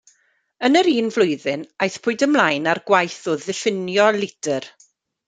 Yn yr un flwyddyn, aethpwyd ymlaen â'r gwaith o ddiffinio litr.